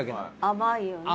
甘いよね。